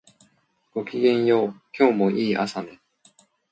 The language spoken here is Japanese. ごきげんよう、今日もいい朝ね